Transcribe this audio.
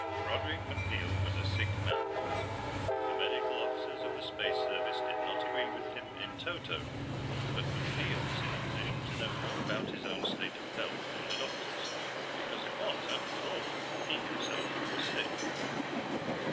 Broderick MacNeil was a sick man. The medical officers of the Space Service did not agree with him in toto, but MacNeil was in a position to know more about his own state of health than the doctors, because it was, after all, he himself who was sick.